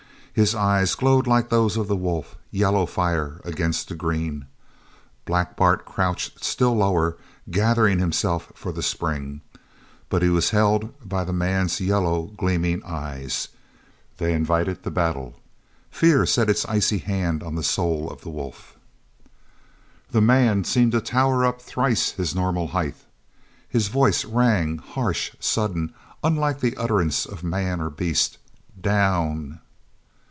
His eyes glowed like those of the wolf, yellow fire against the green. Black Bart crouched still lower, gathering himself for the spring, but he was held by the man's yellow gleaming eyes. They invited the battle. Fear set its icy hand on the soul of the wolf. The man seemed to tower up thrice his normal height. His voice rang, harsh, sudden, unlike the utterance of man or beast: "_Down!